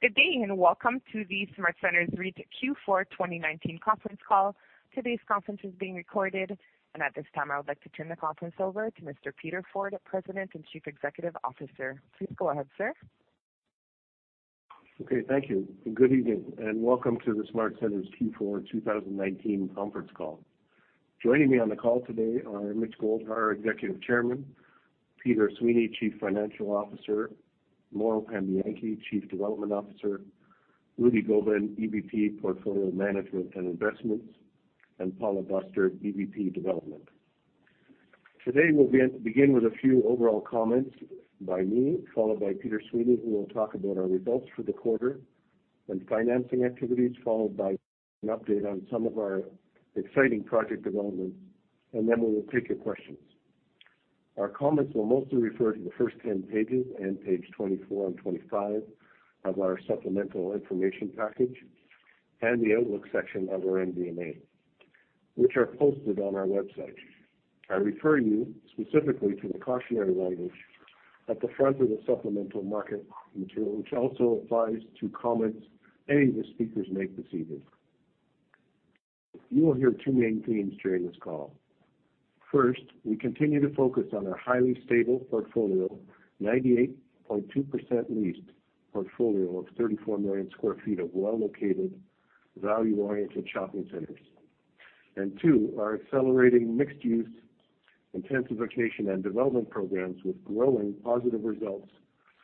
Good day and welcome to the SmartCentres REIT Q4 2019 conference call. Today's conference is being recorded. At this time, I would like to turn the conference over to Mr. Peter Forde, President and Chief Executive Officer. Please go ahead, sir. Okay. Thank you, and good evening. Welcome to the SmartCentres Q4 2019 conference call. Joining me on the call today are Mitch Goldhar, Executive Chairman, Peter Sweeney, Chief Financial Officer, Mauro Pambianchi, Chief Development Officer, Rudy Gobin, EVP Portfolio Management and Investments, and Paula Bustard, EVP Development. Today, we'll begin with a few overall comments by me, followed by Peter Sweeney, who will talk about our results for the quarter and financing activities, followed by an update on some of our exciting project developments, and then we will take your questions. Our comments will mostly refer to the first 10 pages and page 24 and 25 of our supplemental information package and the outlook section of our MD&A, which are posted on our website. I refer you specifically to the cautionary language at the front of the supplemental market material, which also applies to comments any of the speakers make this evening. You will hear two main themes during this call. First, we continue to focus on our highly stable portfolio, 98.2% leased portfolio of 34 million square feet of well-located, value-oriented shopping centers. Two, our accelerating mixed-use intensification and development programs with growing positive results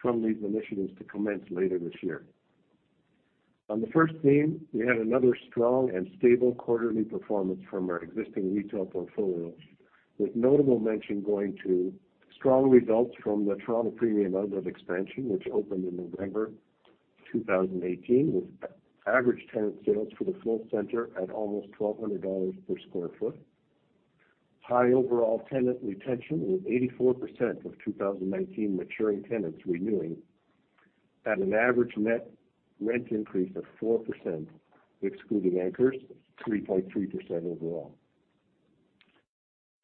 from these initiatives to commence later this year. On the first theme, we had another strong and stable quarterly performance from our existing retail portfolio, with notable mention going to strong results from the Toronto Premium Outlet expansion, which opened in November 2018, with average tenant sales for the full center at almost 1,200 dollars per sq ft. High overall tenant retention, with 84% of 2019 maturing tenants renewing at an average net rent increase of 4%, excluding anchors, 3.3% overall.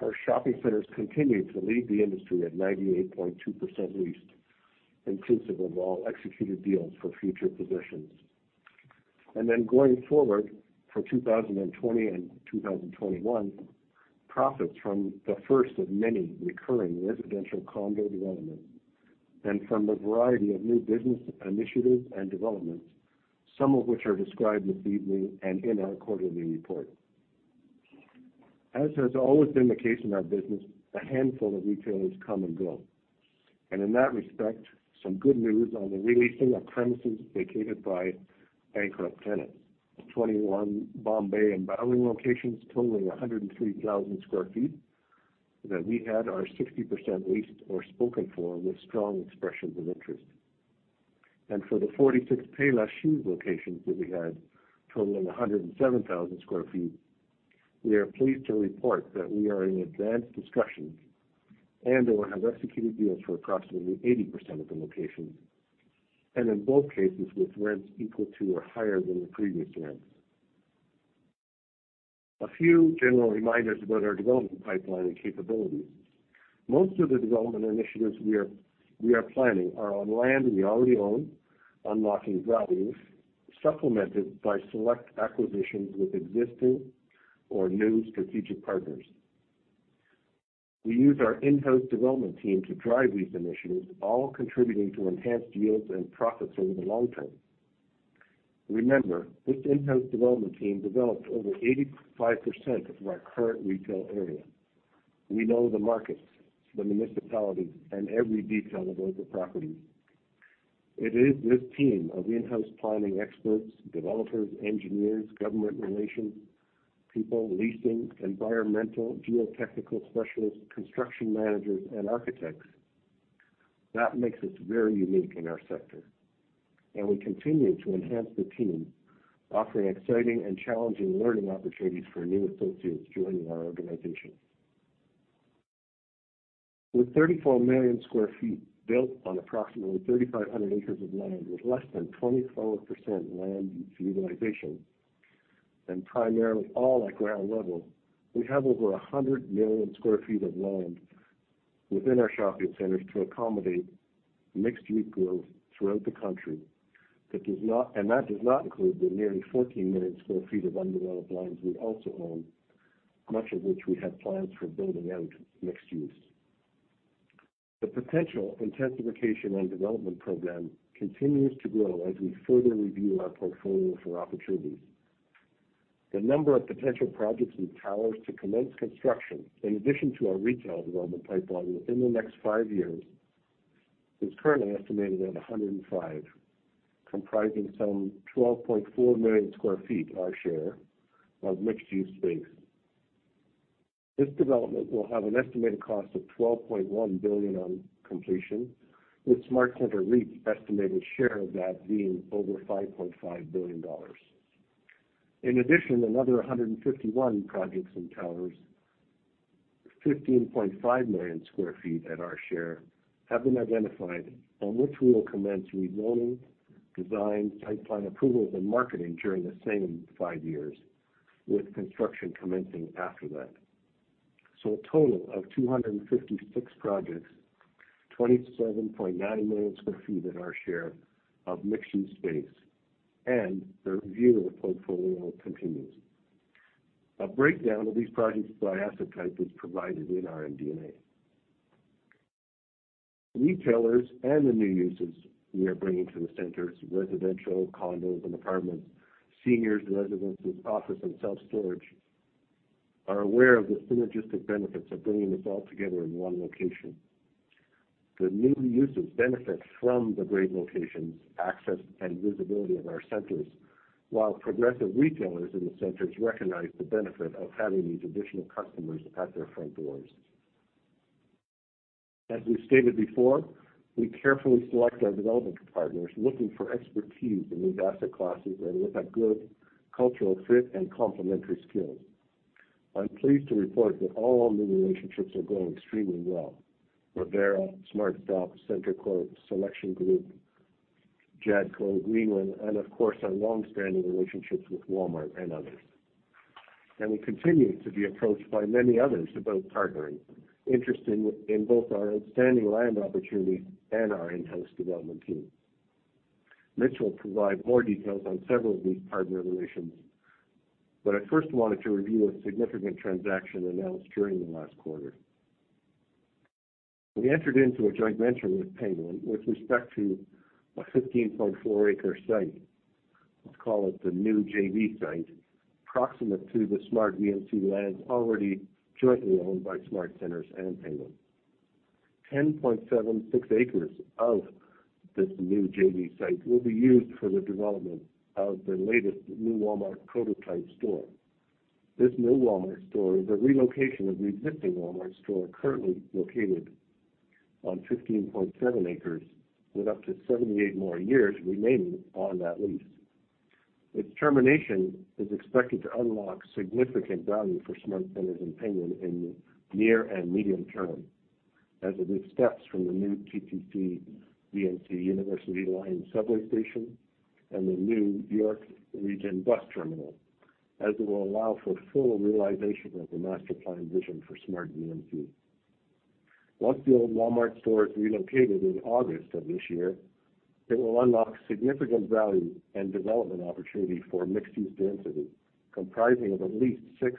Our shopping centers continued to lead the industry at 98.2% leased, inclusive of all executed deals for future positions. Going forward for 2020 and 2021, profits from the first of many recurring residential condo developments and from the variety of new business initiatives and developments, some of which are described this evening and in our quarterly report. As has always been the case in our business, a handful of retailers come and go. In that respect, some good news on the re-leasing of premises vacated by bankrupt tenants. The 21 Bombay and Bowring locations totaling 103,000 sq ft that we had are 60% leased or spoken for with strong expressions of interest. For the 46 Payless Shoes locations that we had totaling 107,000 sq ft, we are pleased to report that we are in advanced discussions and/or have executed deals for approximately 80% of the locations, and in both cases, with rents equal to or higher than the previous rent. A few general reminders about our development pipeline and capabilities. Most of the development initiatives we are planning are on land we already own, unlocking value, supplemented by select acquisitions with existing or new strategic partners. We use our in-house development team to drive these initiatives, all contributing to enhanced yields and profits over the long term. Remember, this in-house development team developed over 85% of our current retail area. We know the markets, the municipalities, and every detail of those properties. It is this team of in-house planning experts, developers, engineers, government relations people, leasing, environmental, geotechnical specialists, construction managers, and architects. That makes us very unique in our sector. We continue to enhance the team, offering exciting and challenging learning opportunities for new associates joining our organization. With 34 million square feet built on approximately 3,500 acres of land with less than 24% land utilization and primarily all at ground level, we have over 100 million square feet of land within our shopping centers to accommodate mixed-use growth throughout the country. That does not include the nearly 14 million square feet of undeveloped lands we also own, much of which we have plans for building out mixed use. The potential intensification and development program continues to grow as we further review our portfolio for opportunities. The number of potential projects and towers to commence construction, in addition to our retail development pipeline within the next five years, is currently estimated at 105, comprising some 12.4 million square feet, our share of mixed-use space. This development will have an estimated cost of 12.1 billion on completion, with SmartCentres REIT's estimated share of that being over 5.5 billion dollars. In addition, another 151 projects and towers, 15.5 million square feet at our share, have been identified on which we will commence re-zoning, design, site plan approvals, and marketing during the same five years, with construction commencing after that. A total of 256 projects, 27.9 million square feet in our share of mixed-use space, and the review of the portfolio continues. A breakdown of these projects by asset type is provided in our MD&A. Retailers and the new users we are bringing to the centers, residential, condos and apartments, seniors residences, office and self-storage, are aware of the synergistic benefits of bringing this all together in one location. The new users benefit from the great locations, access, and visibility of our centers, while progressive retailers in the centers recognize the benefit of having these additional customers at their front doors. As we've stated before, we carefully select our development partners, looking for expertise in these asset classes and with a good cultural fit and complementary skills. I'm pleased to report that all new relationships are going extremely well. Revera, SmartStop, CentreCourt, Selection Group, Jadco, Greenwin, and of course, our longstanding relationships with Walmart and others. We continue to be approached by many others about partnering, interested in both our outstanding land opportunities and our in-house development team. Mitch will provide more details on several of these partner relations, but I first wanted to review a significant transaction announced during the last quarter. We entered into a joint venture with Penguin with respect to a 15.4 acres site. Let's call it the new JV site, proximate to the SmartVMC lands already jointly owned by SmartCentres and Penguin. 10.76 acres of this new JV site will be used for the development of the latest new Walmart prototype store. This new Walmart store is a relocation of the existing Walmart store currently located on 15.7 acres, with up to 78 more years remaining on that lease. Its termination is expected to unlock significant value for SmartCentres and Penguin in the near and medium term, as it is steps from the new TTC VMC University line subway station and the new York Region bus terminal, as it will allow for full realization of the master plan vision for SmartVMC. Once the old Walmart store is relocated in August of this year, it will unlock significant value and development opportunity for mixed-use density, comprising of at least six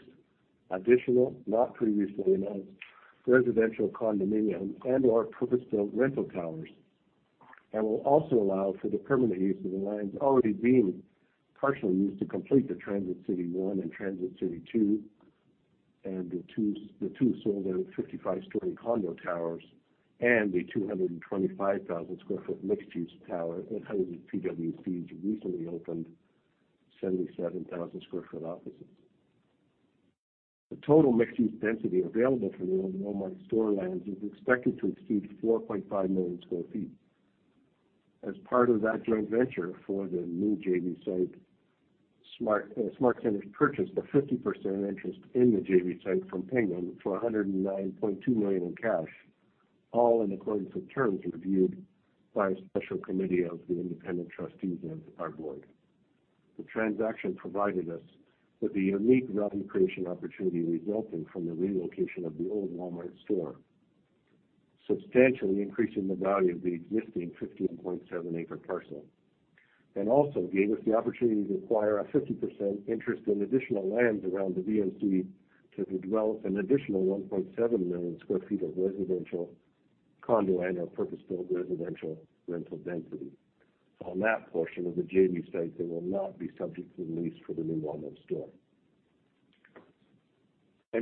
additional, not previously announced, residential condominiums and/or purpose-built rental towers. It will also allow for the permanent use of the lands already being partially used to complete the Transit City 1 and Transit City 2, and the two sold-out 55-story condo towers, and the 225,000 sq ft mixed-use tower that houses PwC's recently opened 77,000 sq ft offices. The total mixed-use density available for the old Walmart store lands is expected to exceed 4.5 million square feet. As part of that joint venture for the new JV site, SmartCentres purchased a 50% interest in the JV site from Penguin for 109.2 million in cash, all in accordance with terms reviewed by a special committee of the independent trustees of our board. The transaction provided us with the unique value creation opportunity resulting from the relocation of the old Walmart store, substantially increasing the value of the existing 15.7 acre parcel. Also gave us the opportunity to acquire a 50% interest in additional lands around the VMC to develop an additional 1.7 million square feet of residential condo and/or purpose-built residential rental density. On that portion of the JV site, they will not be subject to the lease for the new Walmart store.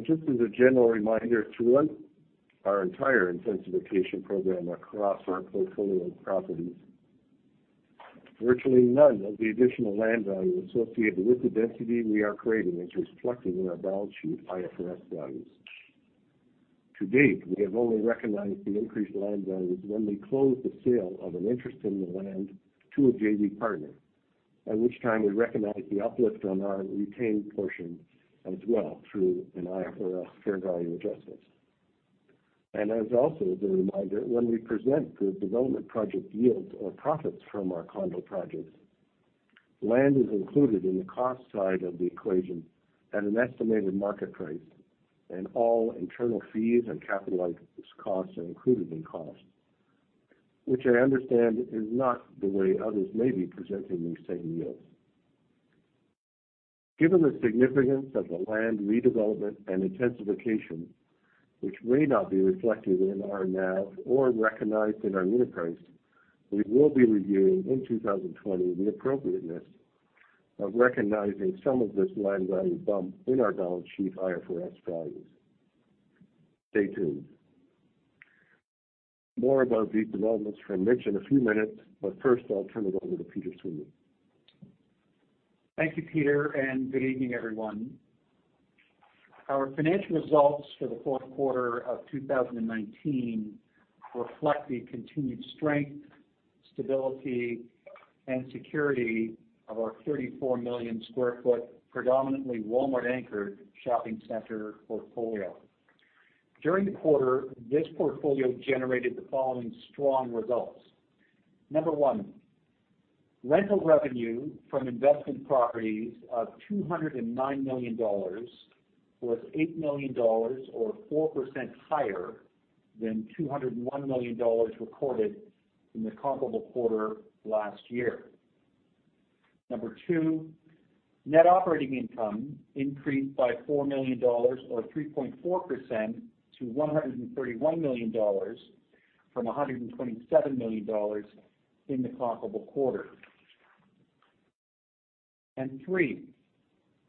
Just as a general reminder throughout our entire intensification program across our portfolio of properties, virtually none of the additional land value associated with the density we are creating is reflected in our balance sheet IFRS values. To date, we have only recognized the increased land values when we close the sale of an interest in the land to a JV partner, at which time we recognize the uplift on our retained portion as well through an IFRS fair value adjustment. As also as a reminder, when we present the development project yields or profits from our condo projects, land is included in the cost side of the equation at an estimated market price, and all internal fees and capitalized costs are included in costs. Which I understand is not the way others may be presenting these same yields. Given the significance of the land redevelopment and intensification, which may not be reflected in our NAV or recognized in our unit price, we will be reviewing, in 2020, the appropriateness of recognizing some of this land value bump in our balance sheet IFRS values. Stay tuned. More about these developments from Mitch in a few minutes, but first, I'll turn it over to Peter Sweeney. Thank you, Peter. Good evening, everyone. Our financial results for the fourth quarter of 2019 reflect the continued strength, stability, and security of our 34 million square feet, predominantly Walmart-anchored shopping center portfolio. During the quarter, this portfolio generated the following strong results. Number one. Rental revenue from investment properties of 209 million dollars was 8 million dollars or 4% higher than 201 million dollars recorded in the comparable quarter last year. Number two, net operating income increased by 4 million dollars or 3.4% to 131 million dollars from 127 million dollars in the comparable quarter. Three,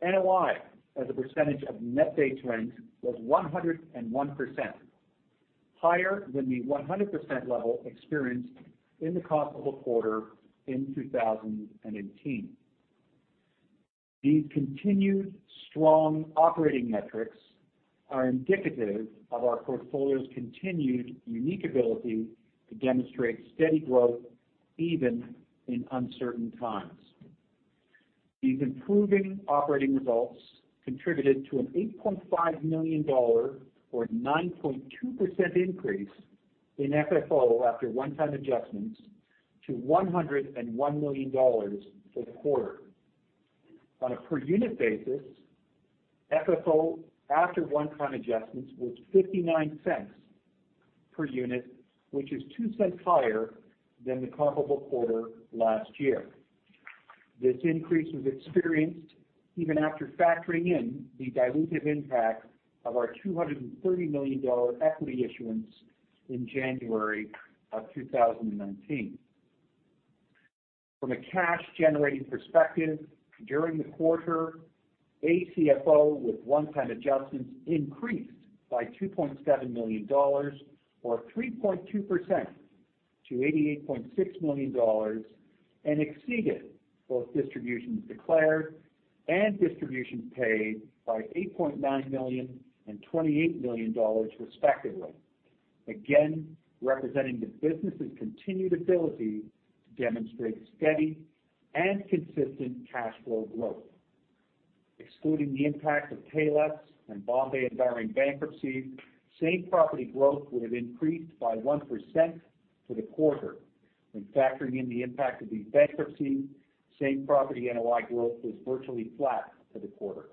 NOI as a percentage of net base rent was 101%, higher than the 100% level experienced in the comparable quarter in 2019. These continued strong operating metrics are indicative of our portfolio's continued unique ability to demonstrate steady growth even in uncertain times. These improving operating results contributed to an 8.5 million dollar or 9.2% increase in FFO after one-time adjustments to 101 million dollars for the quarter. On a per unit basis, FFO after one-time adjustments was 0.59 per unit, which is 0.02 higher than the comparable quarter last year. This increase was experienced even after factoring in the dilutive impact of our 230 million dollar equity issuance in January of 2019. From a cash-generating perspective, during the quarter, ACFO with one-time adjustments increased by 2.7 million dollars or 3.2% to 88.6 million dollars and exceeded both distributions declared and distributions paid by 8.9 million and 28 million dollars respectively. Again, representing the business's continued ability to demonstrate steady and consistent cash flow growth. Excluding the impact of Payless and Bombay bankruptcy, same property growth would have increased by 1% for the quarter. When factoring in the impact of these bankruptcies, same property NOI growth was virtually flat for the quarter.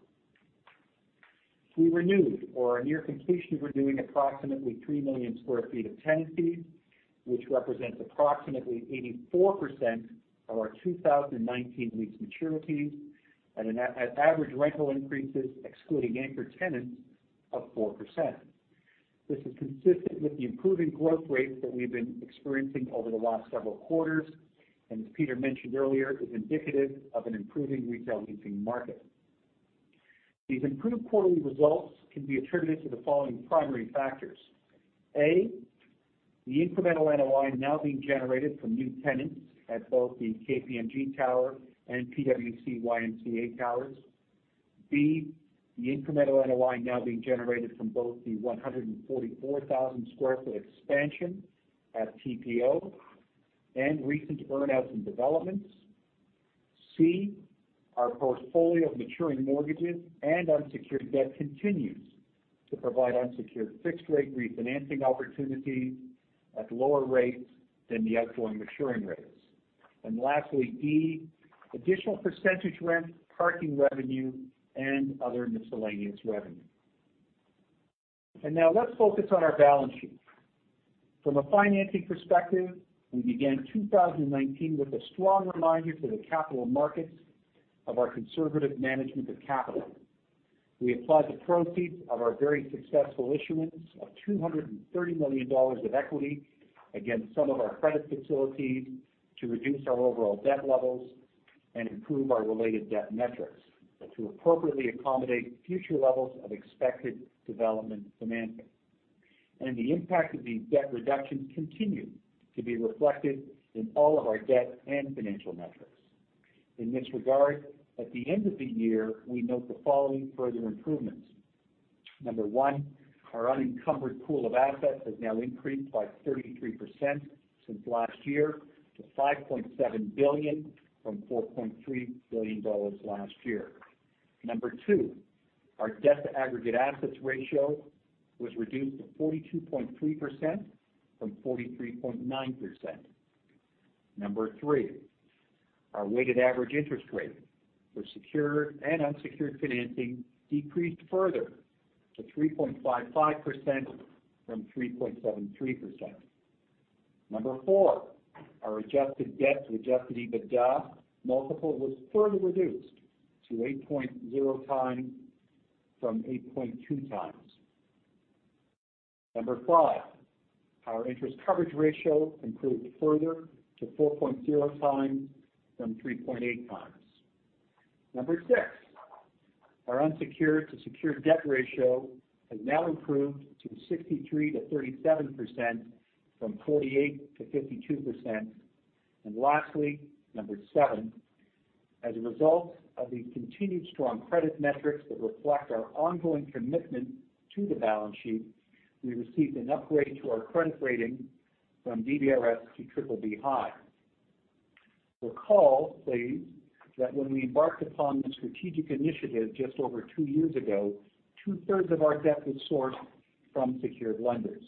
We renewed or are near completion of renewing approximately 3 million square feet of tenancy, which represents approximately 84% of our 2019 lease maturities at an average rental increases, excluding anchor tenants, of 4%. As Peter mentioned earlier, is indicative of an improving retail leasing market. These improved quarterly results can be attributed to the following primary factors. A, the incremental NOI now being generated from new tenants at both the KPMG Tower and PwC-YMCA Towers. B, the incremental NOI now being generated from both the 144,000 sq ft expansion at TPO and recent earn-outs and developments. C, our portfolio of maturing mortgages and unsecured debt continues to provide unsecured fixed-rate refinancing opportunities at lower rates than the outgoing maturing rates. Lastly, D, additional percentage rent, parking revenue, and other miscellaneous revenue. Now let's focus on our balance sheet. From a financing perspective, we began 2019 with a strong reminder to the capital markets of our conservative management of capital. We applied the proceeds of our very successful issuance of 230 million dollars of equity against some of our credit facilities to reduce our overall debt levels and improve our related debt metrics to appropriately accommodate future levels of expected development financing. The impact of these debt reductions continue to be reflected in all of our debt and financial metrics. In this regard, at the end of the year, we note the following further improvements. Number one, our unencumbered pool of assets has now increased by 33% since last year to 5.7 billion from 4.3 billion dollars last year. Number two, our debt to aggregate assets ratio was reduced to 42.3% from 43.9%. Number three, our weighted average interest rate for secured and unsecured financing decreased further to 3.55% from 3.73%. Number four, our adjusted debt to adjusted EBITDA multiple was further reduced to 8.0x from 8.2x. Number five, our interest coverage ratio improved further to 4.0x from 3.8x. Number six, our unsecured to secured debt ratio has now improved to 63%-37%, from 48%-52%. Lastly, number seven, as a result of the continued strong credit metrics that reflect our ongoing commitment to the balance sheet, we received an upgrade to our credit rating from DBRS to BBB (high). Recall, please, that when we embarked upon this strategic initiative just over two years ago, 2/3 of our debt was sourced from secured lenders.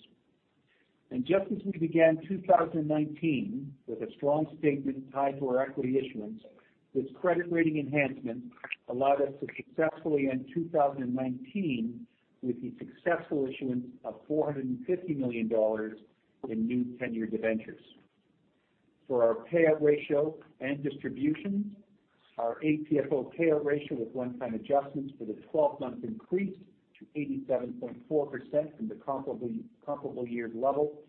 Just as we began 2019 with a strong statement tied to our equity issuance, this credit rating enhancement allowed us to successfully end 2019 with the successful issuance of 450 million dollars in new term debentures. For our payout ratio and distribution, our ATFO payout ratio with one-time adjustments for the 12 months increased to 87.4% from the comparable year's level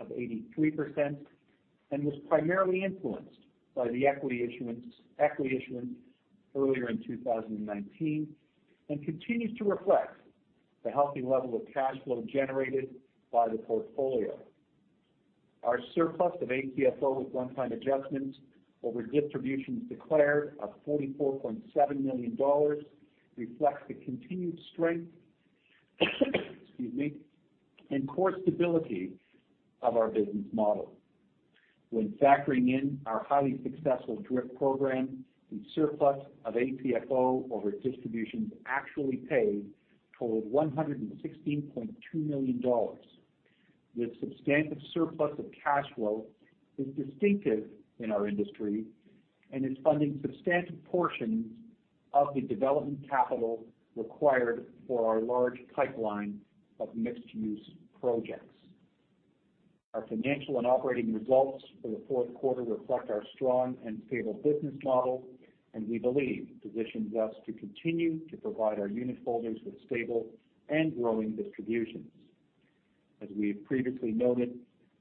of 83%, and was primarily influenced by the equity issuance earlier in 2019 and continues to reflect the healthy level of cash flow generated by the portfolio. Our surplus of ATFO with one-time adjustments over distributions declared of 44.7 million dollars reflects the continued strength excuse me, and core stability of our business model. When factoring in our highly successful DRIP program, the surplus of ATFO over distributions actually paid totaled 116.2 million dollars. This substantive surplus of cash flow is distinctive in our industry, and is funding substantive portions of the development capital required for our large pipeline of mixed-use projects. Our financial and operating results for the fourth quarter reflect our strong and stable business model, and we believe positions us to continue to provide our unitholders with stable and growing distributions. As we have previously noted,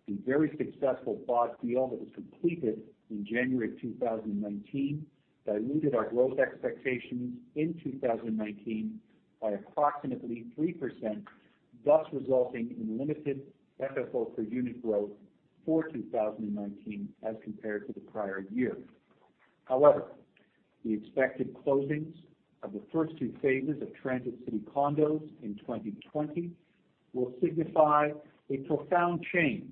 the very successful bought deal that was completed in January of 2019 diluted our growth expectations in 2019 by approximately 3%, thus resulting in limited FFO per unit growth for 2019 as compared to the prior year. The expected closings of the first two phases of Transit City Condos in 2020 will signify a profound change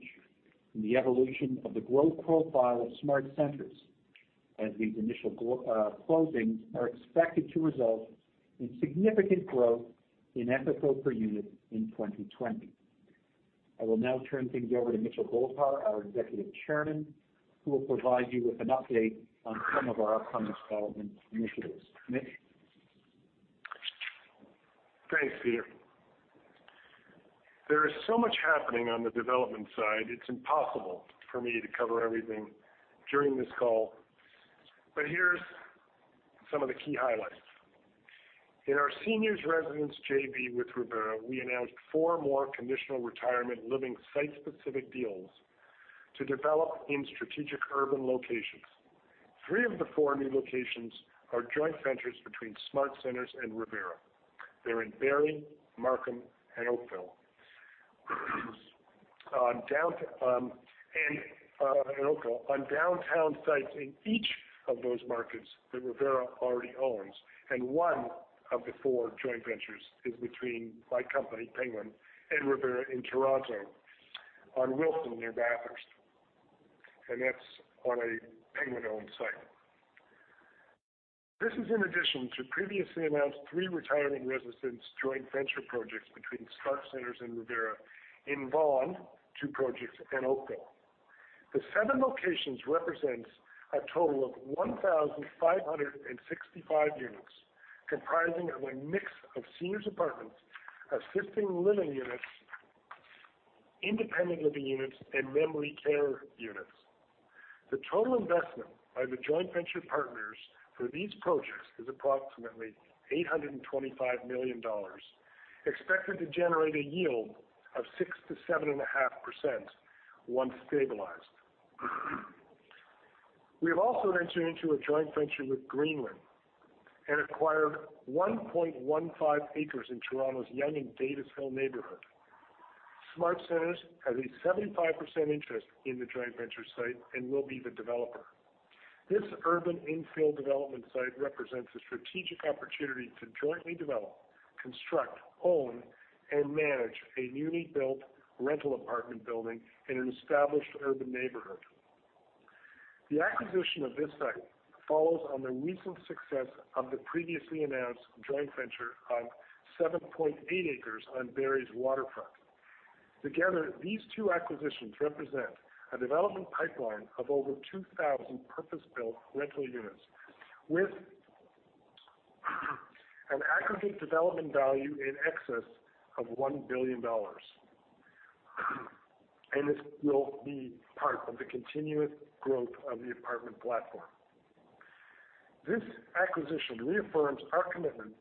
in the evolution of the growth profile of SmartCentres, as these initial closings are expected to result in significant growth in FFO per unit in 2020. I will now turn things over to Mitchell Goldhar, our Executive Chairman, who will provide you with an update on some of our upcoming development initiatives. Mitch? Thanks, Peter. There is so much happening on the development side, it's impossible for me to cover everything during this call. Here are some of the key highlights. In our seniors' residence JV with Revera, we announced four more conditional retirement living site-specific deals to develop in strategic urban locations. Three of the four new locations are joint ventures between SmartCentres and Revera. They're in Barrie, Markham, and Oakville. On downtown sites in each of those markets that Revera already owns. One of the four joint ventures is between my company, Penguin, and Revera in Toronto on Wilson, near Bathurst. That's on a Penguin-owned site. This is in addition to previously announced three retirement residence joint venture projects between SmartCentres and Revera in Vaughan, two projects in Oakville. The seven locations represent a total of 1,565 units, comprising of a mix of seniors' apartments, assisting living units, independent living units, and memory care units. The total investment by the joint venture partners for these projects is approximately 825 million dollars, expected to generate a yield of 6%-7.5% once stabilized. We have also entered into a joint venture with Greenwin and acquired 1.15 acres in Toronto's Yonge and Davisville neighborhood. SmartCentres has a 75% interest in the joint venture site and will be the developer. This urban infill development site represents a strategic opportunity to jointly develop, construct, own, and manage a newly built rental apartment building in an established urban neighborhood. The acquisition of this site follows on the recent success of the previously announced joint venture on 7.8 acres on Barrie's waterfront. Together, these two acquisitions represent a development pipeline of over 2,000 purpose-built rental units, with an aggregate development value in excess of 1 billion dollars. This will be part of the continuous growth of the apartment platform. This acquisition reaffirms our commitment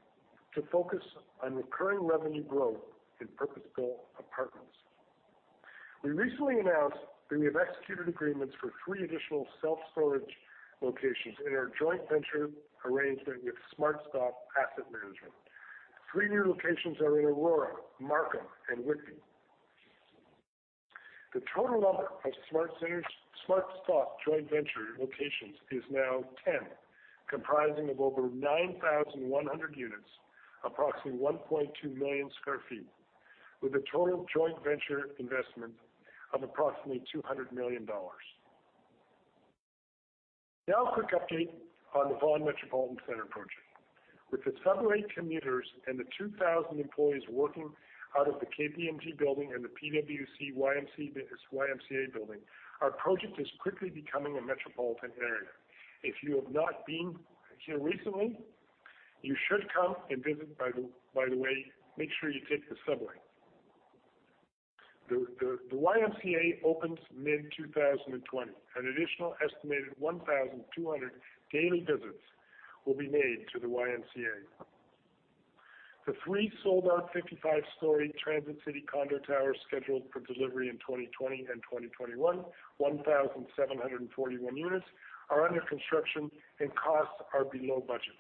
to focus on recurring revenue growth in purpose-built apartments. We recently announced that we have executed agreements for three additional self-storage locations in our joint venture arrangement with SmartStop Asset Management. Three new locations are in Aurora, Markham, and Whitby. The total number of SmartStop joint venture locations is now 10, comprising of over 9,100 units, approximately 1.2 million square feet, with a total joint venture investment of approximately CAD 200 million. A quick update on the Vaughan Metropolitan Centre project. With the subway commuters and the 2,000 employees working out of the KPMG building and the PwC-YMCA building, our project is quickly becoming a metropolitan area. If you have not been here recently, you should come and visit. By the way, make sure you take the subway. The YMCA opens mid-2020. An additional estimated 1,200 daily visits will be made to the YMCA. The three sold-out 55-story Transit City condo towers scheduled for delivery in 2020 and 2021, 1,741 units, are under construction, and costs are below budget.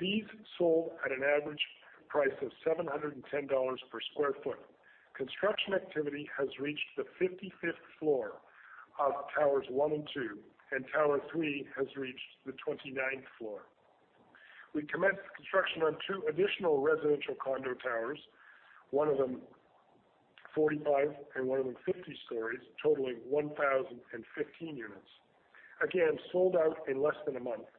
These sold at an average price of 710 dollars per square foot. Construction activity has reached the 55th floor of towers one and two, and tower three has reached the 29th floor. We commenced construction on two additional residential condo towers, one of them 45 and one of them 50 stories, totaling 1,015 units. Again, sold out in less than a month,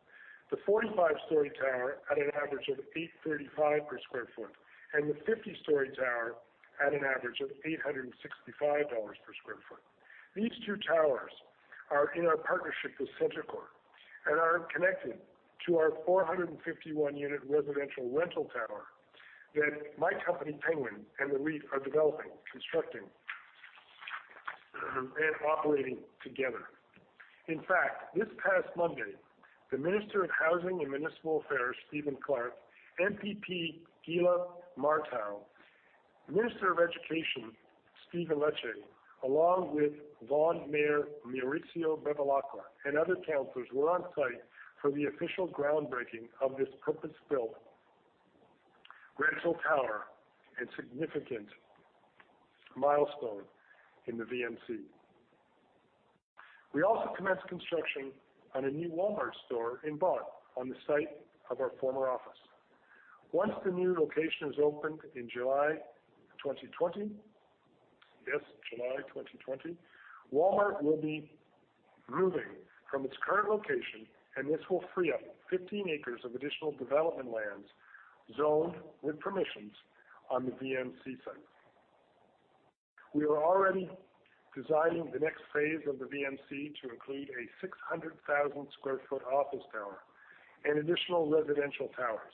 the 45-story tower at an average of 835 per square foot, and the 50-story tower at an average of 865 dollars per square foot. These two towers are in our partnership with CentreCourt and are connected to our 451-unit residential rental tower that my company, Penguin, and the REIT are developing, constructing, and operating together. In fact, this past Monday, the Minister of Housing and Municipal Affairs, Steve Clark, MPP Gila Martow, Minister of Education Stephen Lecce, along with Vaughan Mayor Maurizio Bevilacqua and other councilors, were on site for the official groundbreaking of this purpose-built rental tower and significant milestone in the VMC. We also commenced construction on a new Walmart store in Vaughan on the site of our former office. Once the new location is opened in July 2020, yes, July 2020, Walmart will be moving from its current location, and this will free up 15 acres of additional development lands zoned with permissions on the VMC site. We are already designing the next phase of the VMC to include a 600,000 sq ft office tower and additional residential towers.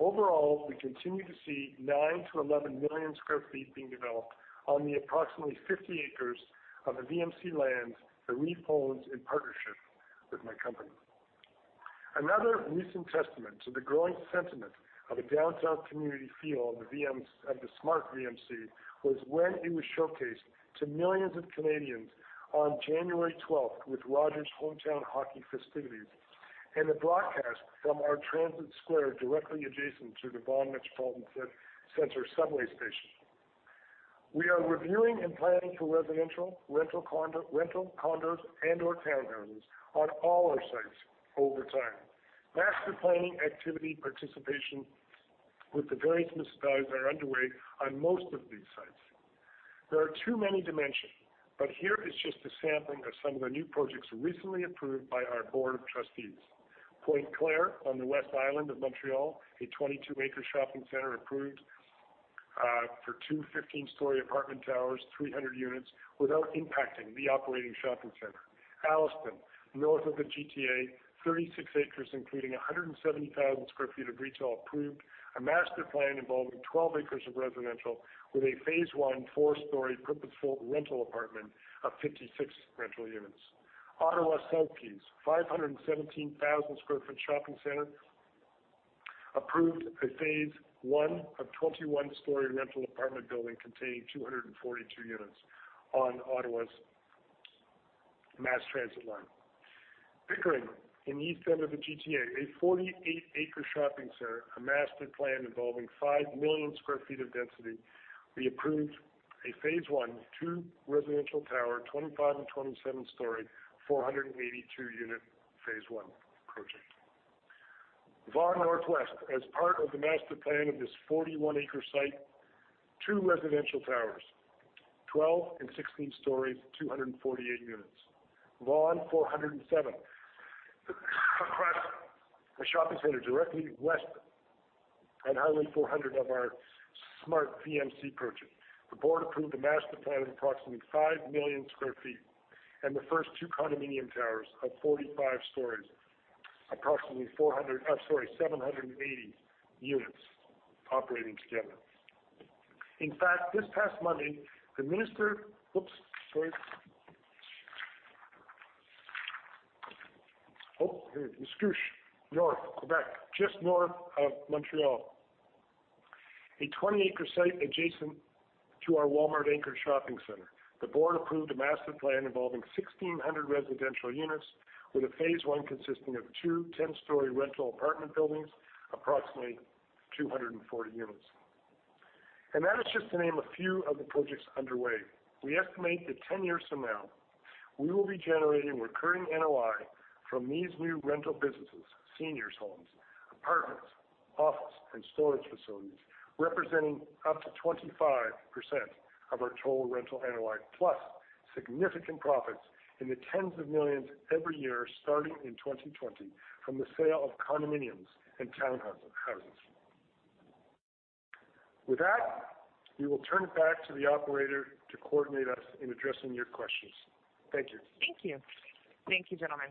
Overall, we continue to see 9 to 11 million square feet being developed on the approximately 50 acres of the VMC land the REIT owns in partnership with my company. Another recent testament to the growing sentiment of a downtown community feel of the SmartVMC was when it was showcased to millions of Canadians on January 12th with Rogers Hometown Hockey festivities and the broadcast from our transit square directly adjacent to the Vaughan Metropolitan Centre subway station. We are reviewing and planning for residential, rental, condos, and/or townhouses on all our sites over time. Master planning activity participation with the various municipalities are underway on most of these sites. There are too many to mention, but here is just a sampling of some of the new projects recently approved by our board of trustees. Pointe-Claire, on the West Island of Montreal, a 22-acre shopping center approved for two 15-story apartment towers, 300 units, without impacting the operating shopping center. Alliston, north of the GTA, 36 acres, including 170,000 sq ft of retail approved, a master plan involving 12 acres of residential with a phase one four-story purpose-built rental apartment of 56 rental units. Ottawa South Keys, 517,000 sq ft shopping center, approved a phase one of 21-story rental apartment building containing 242 units on Ottawa's mass transit line. Pickering, in the east end of the GTA, a 48-acre shopping center, a master plan involving 5 million square feet of density. We approved a phase one 2 residential tower, 25 and 27 story, 482-unit phase one project. Vaughan Northwest, as part of the master plan of this 41-acre site, two residential towers, 12 and 16 stories, 248 units. Vaughan 407, across a shopping center directly west on Highway 400 of our SmartVMC project. The board approved a master plan of approximately 5 million square feet and the first two condominium towers of 45 stories, approximately 780 units operating together. In fact, this past Monday, the minister Oops, sorry. Oh, here. Mascouche, north, Quebec, just north of Montreal. A 20-acre site adjacent to our Walmart anchor shopping center. The board approved a master plan involving 1,600 residential units with a phase one consisting of two 10-story rental apartment buildings, approximately 240 units. That is just to name a few of the projects underway. We estimate that 10 years from now, we will be generating recurring NOI from these new rental businesses, seniors' homes, apartments, office, and storage facilities representing up to 25% of our total rental NOI, plus significant profits in the tens of millions every year starting in 2020 from the sale of condominiums and townhouses. With that, we will turn it back to the operator to coordinate us in addressing your questions. Thank you. Thank you. Thank you, gentlemen.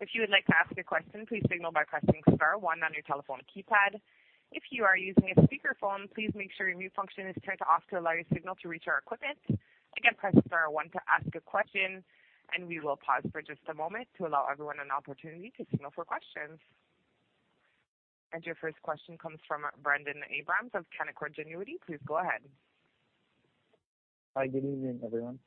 If you would like to ask a question, please signal by pressing star one on your telephone keypad. If you are using a speakerphone, please make sure your mute function is turned off to allow your signal to reach our equipment. Again, press star one to ask a question, and we will pause for just a moment to allow everyone an opportunity to signal for questions. Your first question comes from Brendon Abrams of Canaccord Genuity. Please go ahead. Hi. Good evening, everyone.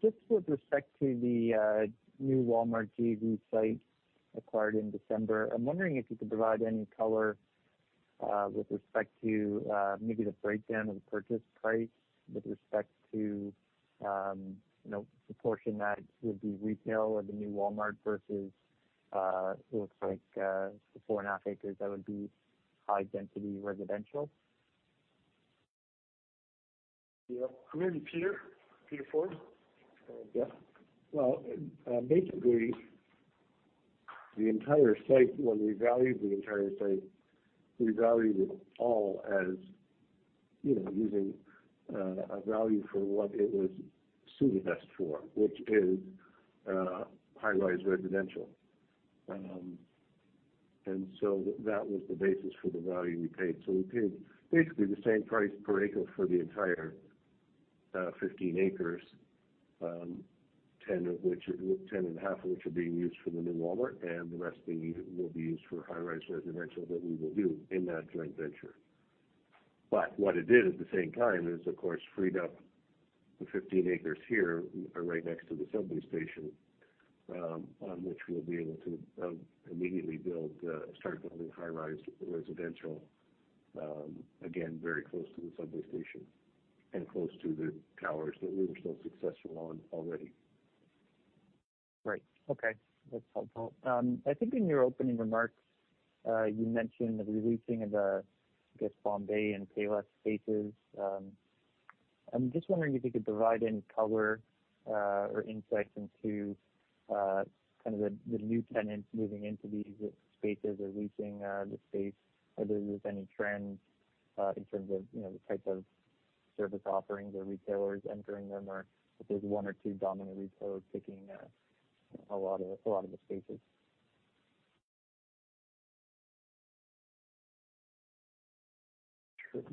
Just with respect to the new Walmart JV site acquired in December, I'm wondering if you could provide any color with respect to maybe the breakdown of the purchase price with respect to the portion that would be retail of the new Walmart versus, it looks like, the 4.5 acres that would be high-density residential. Yeah. I'm going to Peter. Peter Forde. Yeah. Well, basically, the entire site, when we valued the entire site, we valued it all using a value for what it was suited best for, which is high-rise residential. That was the basis for the value we paid. We paid basically the same price per acre for the entire 15 acres, 10.5 acres of which are being used for the new Walmart, and the rest will be used for high-rise residential that we will do in that joint venture. What it did at the same time is, of course, freed up the 15 acres here right next to the subway station, on which we'll be able to immediately start building high-rise residential, again, very close to the subway station and close to the towers that we were so successful on already. Right. Okay. That's helpful. I think in your opening remarks, you mentioned the re-leasing of the, I guess, Bombay and Payless spaces. I'm just wondering if you could provide any color or insight into the new tenants moving into these spaces or leasing the space, whether there's any trends in terms of the type of service offerings or retailers entering them, or if there's one or two dominant retailers taking a lot of the spaces.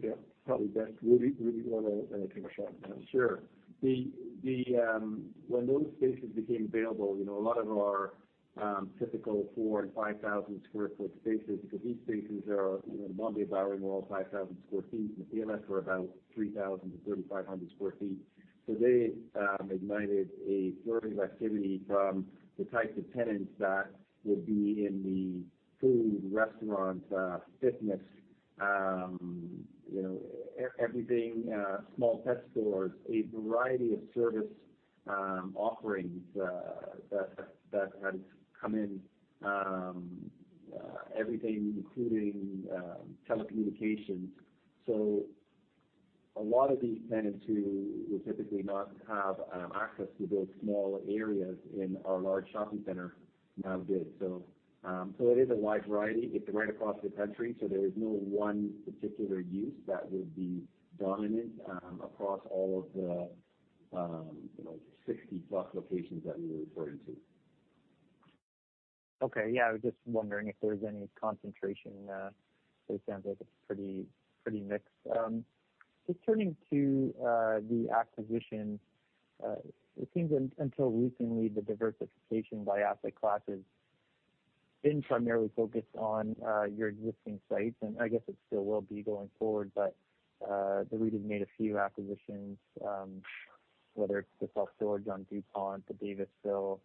Yeah. Probably best, Rudy, you want to take a shot at that? Sure. When those spaces became available, a lot of them are typical 4,000 and 5,000 sq ft spaces, because these spaces are, Bombay, Bowring, 5,000 sq ft, and the Payless were about 3,000-3,500 sq ft. They ignited a flurry of activity from the types of tenants that would be in the food, restaurant, fitness, everything, small pet stores. A variety of service offerings that had come in. Everything, including telecommunications. A lot of these tenants who would typically not have access to those small areas in our large shopping center now did. It is a wide variety. It is right across the country, so there is no one particular use that would be dominant across all of the 60+ locations that we were referring to. Okay. Yeah, I was just wondering if there was any concentration. It sounds like it's pretty mixed. Just turning to the acquisition. It seems until recently, the diversification by asset classes been primarily focused on your existing sites, and I guess it still will be going forward, but the REIT has made a few acquisitions, whether it's the self-storage on Dupont, the Davisville,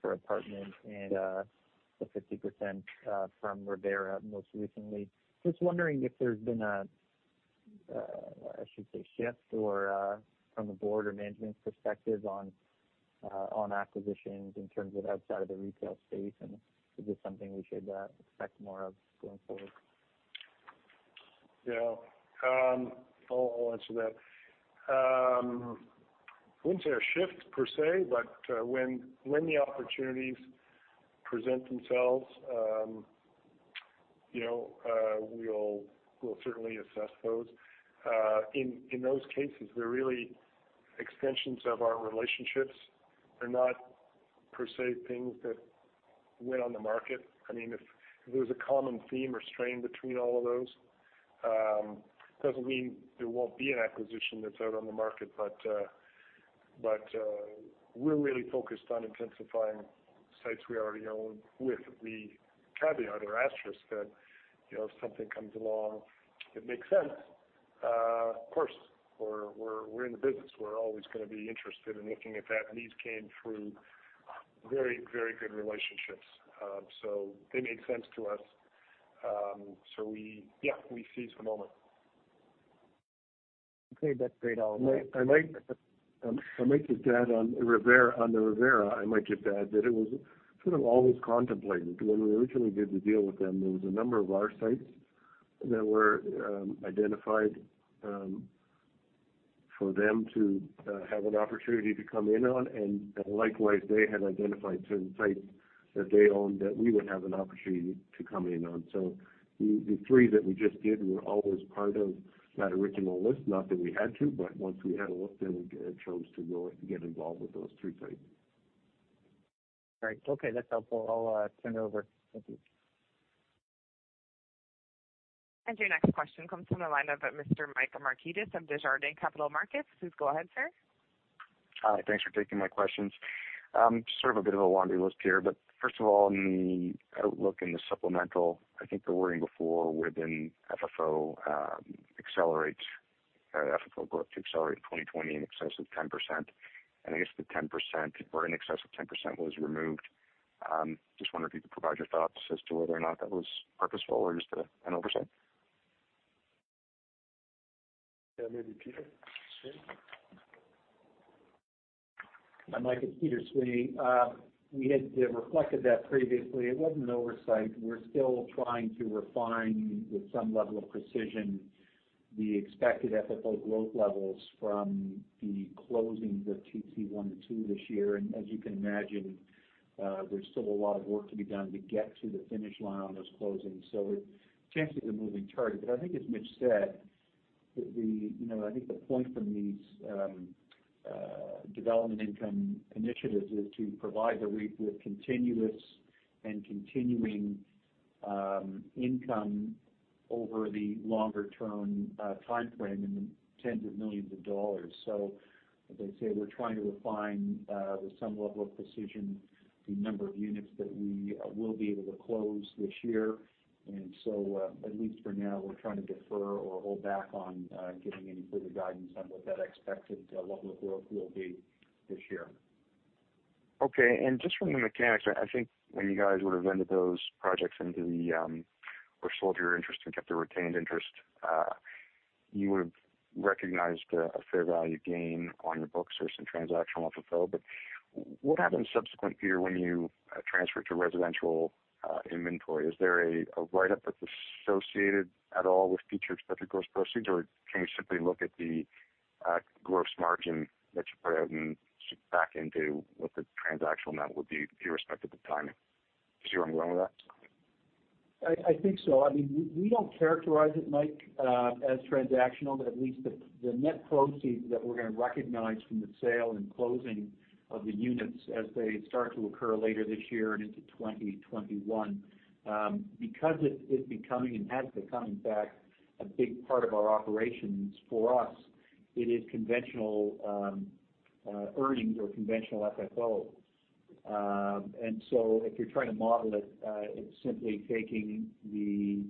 for apartment, and the 50% from Revera most recently. Just wondering if there's been a, I should say, shift from the board or management perspective on acquisitions in terms of outside of the retail space, and is this something we should expect more of going forward? Yeah. I'll answer that. I wouldn't say a shift per se, but when the opportunities present themselves, we'll certainly assess those. In those cases, they're really extensions of our relationships. They're not per se things that went on the market. If there's a common theme or strain between all of those, doesn't mean there won't be an acquisition that's out on the market, but we're really focused on intensifying sites we already own with the caveat or asterisk that if something comes along that makes sense, of course, we're in the business. We're always going to be interested in looking at that. These came through very good relationships. They made sense to us. Yeah, we seized the moment. Okay, that's great. I might just add on the Revera, I might just add that it was sort of always contemplated. When we originally did the deal with them, there was a number of our sites that were identified for them to have an opportunity to come in on, and likewise, they had identified certain sites that they owned that we would have an opportunity to come in on. The three that we just did were always part of that original list. Not that we had to, but once we had a look, then we chose to go ahead and get involved with those three sites. Great. Okay. That's helpful. I'll turn it over. Thank you. Your next question comes from the line of Mr. Michael Markidis of Desjardins Capital Markets. Please go ahead, sir. Hi. Thanks for taking my questions. Sort of a bit of a laundry list here, but first of all, in the outlook in the supplemental, I think the wording before within FFO growth to accelerate in 2020 in excess of 10%. I guess the or in excess of 10% was removed. Just wondering if you could provide your thoughts as to whether or not that was purposeful or just an oversight. Yeah, maybe Peter Sweeney. Mike, it's Peter Sweeney. We had reflected that previously. It wasn't an oversight. We're still trying to refine, with some level of precision, the expected FFO growth levels from the closings of TC 1 and 2 this year. As you can imagine, there's still a lot of work to be done to get to the finish line on those closings. It's actually a moving target. I think as Mitch said, I think the point from these development income initiatives is to provide the REIT with continuous and continuing income over the longer-term timeframe in tens of millions of dollars. As I say, we're trying to refine with some level of precision the number of units that we will be able to close this year. At least for now, we're trying to defer or hold back on giving any further guidance on what that expected level of growth will be this year. Okay. Just from the mechanics, I think when you guys would've vended those projects into the, or sold your interest and kept a retained interest, you would've recognized a fair value gain on your books or some transactional FFO. What happens subsequent, Peter, when you transfer to residential inventory? Is there a write-up that's associated at all with future expected gross proceeds, or can you simply look at the gross margin that you put out and back into what the transactional net would be irrespective of timing? Did you hear what I mean with that? I think so. We don't characterize it, Mike, as transactional, but at least the net proceeds that we're going to recognize from the sale and closing of the units as they start to occur later this year and into 2021. Because it is becoming and has become, in fact, a big part of our operations, for us, it is conventional earnings or conventional FFO. If you're trying to model it's simply taking the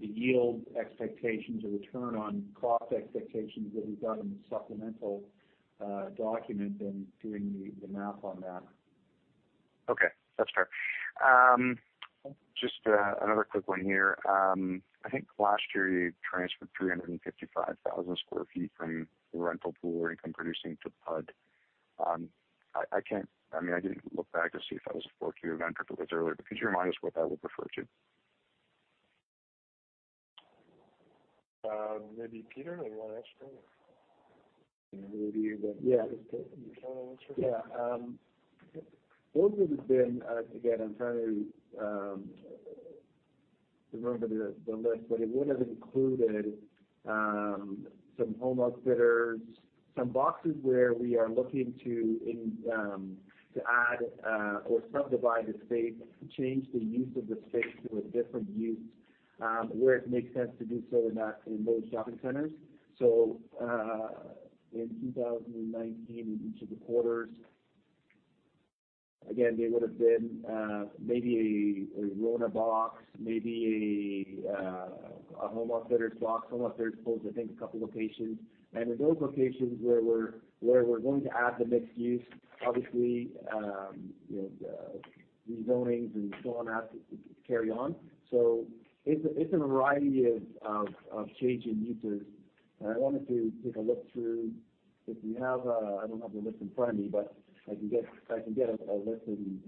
yield expectations or return on cost expectations that we've got in the supplemental document and doing the math on that. Okay. That's fair. Just another quick one here. I think last year you transferred 355,000 sq ft from the rental pool or income-producing to PUD. I didn't look back to see if that was a 4Q event or if it was earlier, but could you remind us what that would refer to? Maybe Peter, anyone else? Rudy you, you want to answer? Yeah. Those would've been, again, I'm trying to remember the list, but it would've included some Home Outfitters, some boxes where we are looking to add or subdivide the space to change the use of the space to a different use, where it makes sense to do so in those shopping centers. In 2019, in each of the quarters, again, they would've been maybe a RONA box, maybe a Home Outfitters box. Home Outfitters closed, I think, a couple locations. In those locations where we're going to add the mixed use, obviously, the rezonings and so on have to carry on. It's a variety of changing users. I wanted to take a look through if you have I don't have the list in front of me, but I can get a list and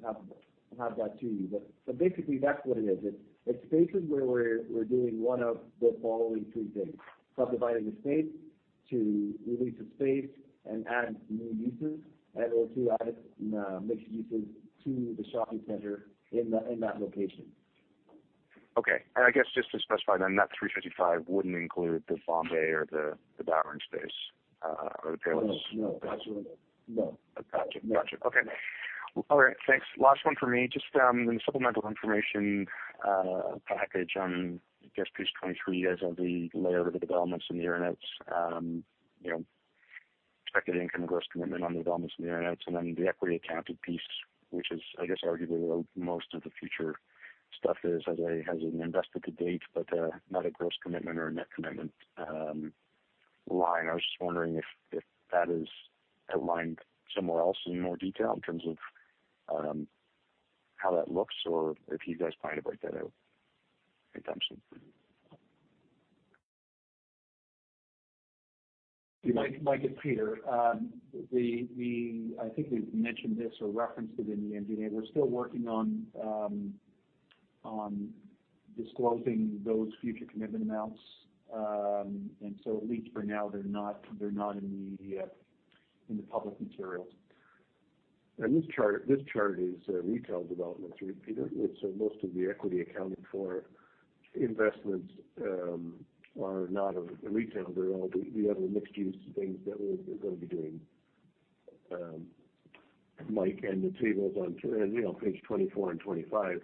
have that to you. Basically, that's what it is. It's spaces where we're doing one of the following three things: subdividing the space to release a space and add new uses and/or to add mixed uses to the shopping center in that location. Okay. I guess just to specify then, that 355,000 sq ft wouldn't include the Bombay or the Payless space, or the Payless? No. That's right. No. Gotcha. Okay. All right. Thanks. Last one for me. Just in the supplemental information package on, I guess, page 23, as of the layout of the developments in the year-ends, expected income, gross commitment on the developments in the year-ends, and then the equity accounted piece, which is, I guess, arguably where most of the future stuff is as an invested to date, but not a gross commitment or a net commitment line. I was just wondering if that is outlined somewhere else in more detail in terms of how that looks or if you guys plan to break that out. Mike, it's Peter. I think we've mentioned this or referenced it in the NDA. We're still working on disclosing those future commitment amounts. At least for now, they're not in the public material. This chart is retail developments. Peter, most of the equity accounted for investments are not of retail. We have a mixed use of things that we're going to be doing. Mike, the tables on page 24 and 25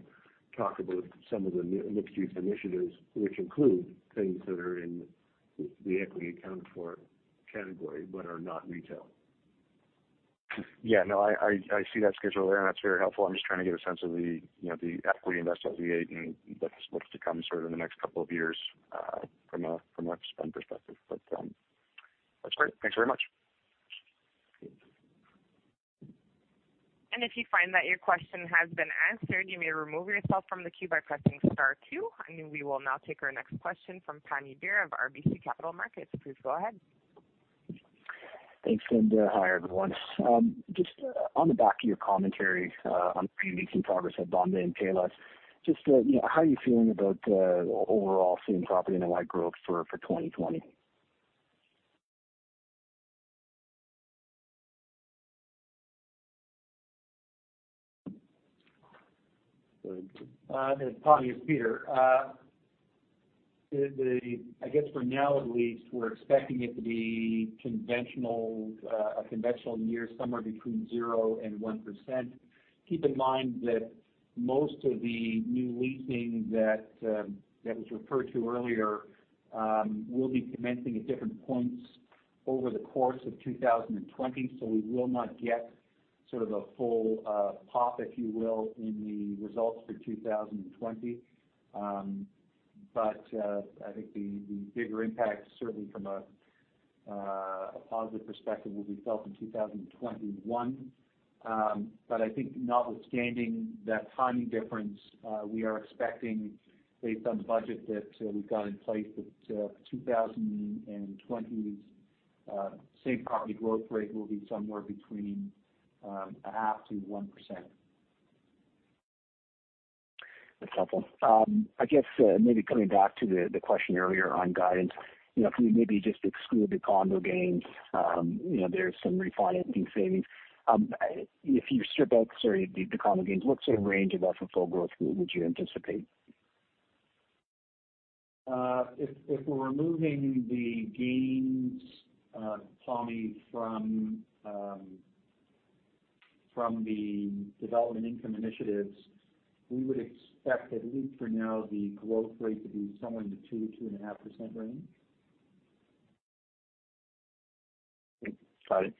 talk about some of the mixed-use initiatives, which include things that are in the equity account for category but are not retail. Yeah. No, I see that schedule there. That's very helpful. I'm just trying to get a sense of the equity investment we had and what's to come sort of in the next couple of years from a spend perspective. That's great. Thanks very much. If you find that your question has been answered, you may remove yourself from the queue by pressing star two. We will now take our next question from Pammi Bir of RBC Capital Markets. Please go ahead. Thanks. Hi, everyone. Just on the back of your commentary on pre-leasing progress at Bombay and Payless, just how are you feeling about overall same property NOI growth for 2020? Pammi, it's Peter. I guess for now at least, we're expecting it to be a conventional year, somewhere between 0% and 1%. Keep in mind that most of the new leasing that was referred to earlier, will be commencing at different points over the course of 2020. We will not get sort of the full pop, if you will, in the results for 2020. I think the bigger impact, certainly from a positive perspective, will be felt in 2021. I think notwithstanding that timing difference, we are expecting, based on the budget that we've got in place, that 2020's same property growth rate will be somewhere between 0.5%-1%. That's helpful. I guess, maybe coming back to the question earlier on guidance. If we maybe just exclude the condo gains, there's some refinancing savings. If you strip out the condo gains, what sort of range of FFO growth would you anticipate? If we're removing the gains, Pammi, from the development income initiatives, we would expect, at least for now, the growth rate to be somewhere in the 2%-2.5% range. Got it.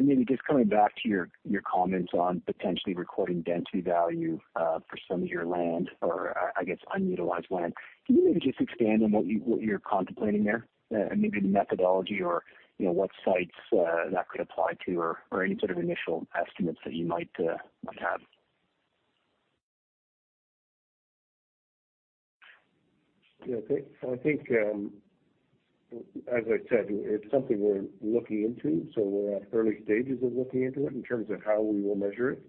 Maybe just coming back to your comments on potentially recording density value, for some of your land or, I guess, unutilized land. Can you maybe just expand on what you're contemplating there? Maybe the methodology or what sites that could apply to or any sort of initial estimates that you might have? I think, as I said, it's something we're looking into, so we're at early stages of looking into it in terms of how we will measure it.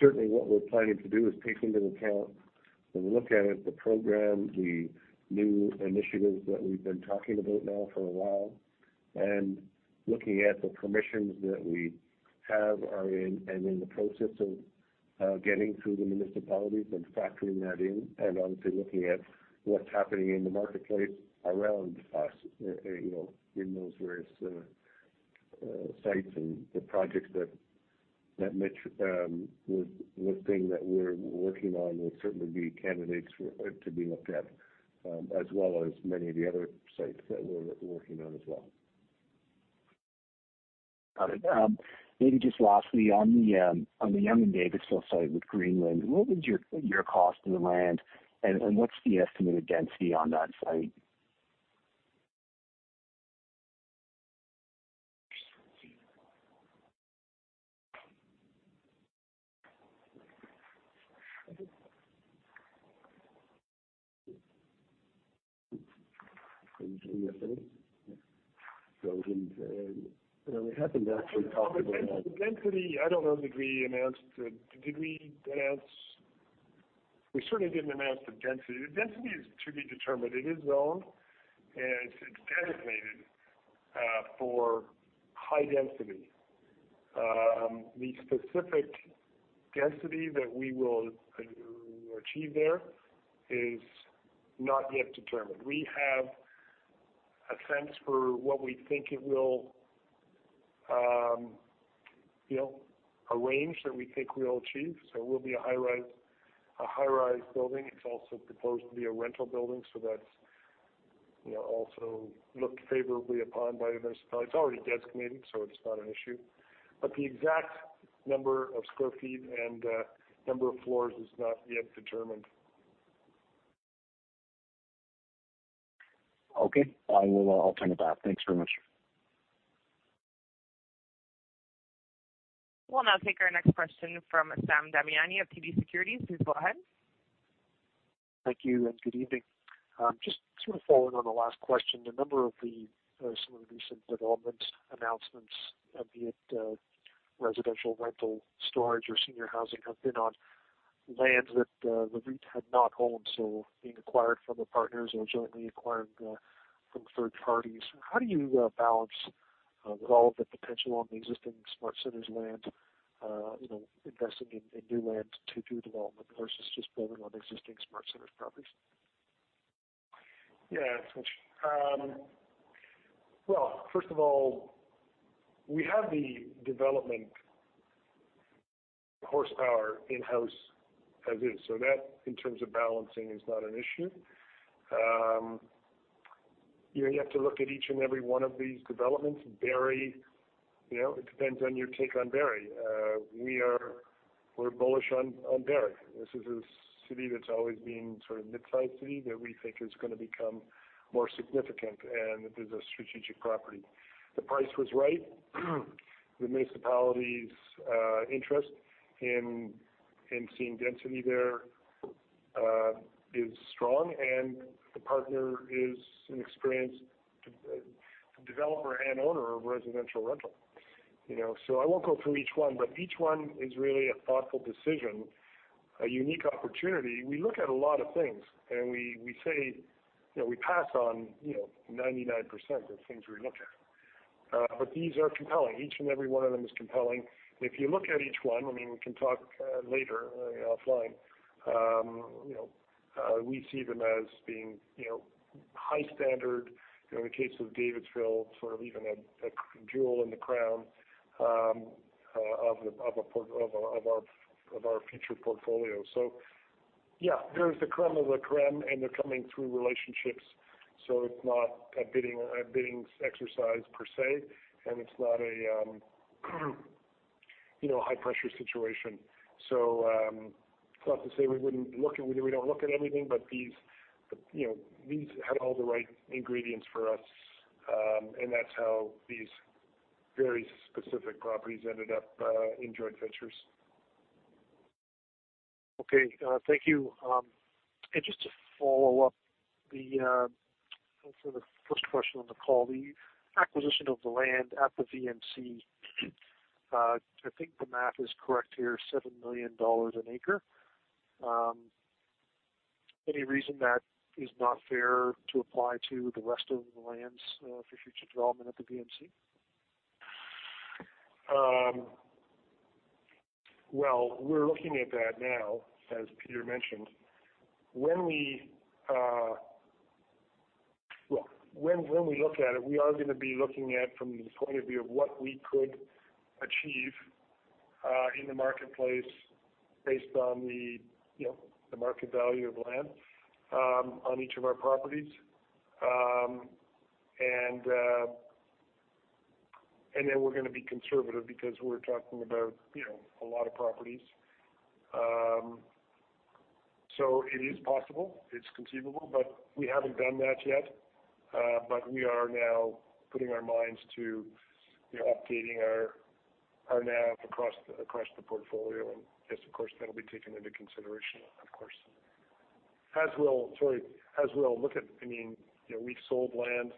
Certainly what we're planning to do is take into account, when we look at it, the program, the new initiatives that we've been talking about now for a while, and looking at the permissions that we have and are in the process of getting through the municipalities and factoring that in, and obviously looking at what's happening in the marketplace around us, in those various sites and the projects that Mitch was listing that we're working on will certainly be candidates to be looked at, as well as many of the other sites that we're working on as well. Got it. Maybe just lastly, on the Yonge and Davisville site with Greenwin, what was your cost of the land and what's the estimated density on that site? Density, do you have any? We haven't actually talked about that. The density, I don't know that we announced it. Did we announce? We certainly didn't announce the density. The density is to be determined. It is zoned, and it's designated for high density. The specific density that we will achieve there is not yet determined. We have a sense for what we think it will arrange that we think we'll achieve. It will be a high-rise building. It's also proposed to be a rental building, so that's also looked favorably upon by the municipality. It's already designated, so it's not an issue. The exact number of square feet and number of floors is not yet determined. Okay. I will alternate that. Thanks very much. We'll now take our next question from Sam Damiani of TD Securities. Please go ahead. Thank you, and good evening. Just sort of following on the last question. A number of some of the recent development announcements, be it residential, rental, storage, or senior housing, have been on lands that the REIT had not owned, so being acquired from a partners or jointly acquired from third parties. How do you balance with all of the potential on the existing SmartCentres land, investing in new land to do development versus just building on existing SmartCentres properties? Yeah. Well, first of all, we have the development horsepower in-house as is. That, in terms of balancing, is not an issue. You have to look at each and every one of these developments. Barrie, it depends on your take on Barrie. We're bullish on Barrie. This is a city that's always been sort of mid-size city that we think is going to become more significant, and it is a strategic property. The price was right. The municipality's interest in seeing density there is strong, and the partner is an experienced developer and owner of residential rental. I won't go through each one, each one is really a thoughtful decision, a unique opportunity. We look at a lot of things, and we pass on 99% of things we look at. These are compelling. Each and every one of them is compelling. If you look at each one, we can talk later offline. We see them as being high standard. In the case of Davisville, sort of even a jewel in the crown of our future portfolio. Yeah, they're the crème of the crème, and they're coming through relationships, so it's not a bidding exercise per se, and it's not a high-pressure situation. It's not to say we don't look at everything, but these had all the right ingredients for us. That's how these very specific properties ended up in joint ventures. Okay. Thank you. Just to follow up for the first question on the call, the acquisition of the land at the VMC, I think the math is correct here, 7 million dollars an acre. Any reason that is not fair to apply to the rest of the lands for future development at the VMC? Well, we're looking at that now, as Peter mentioned. When we look at it, we are going to be looking at from the point of view of what we could achieve in the marketplace based on the market value of land on each of our properties. We're going to be conservative because we're talking about a lot of properties. It is possible, it's conceivable, but we haven't done that yet. We are now putting our minds to updating our NAV across the portfolio. Yes, of course, that'll be taken into consideration, of course. As we'll look at, we sold land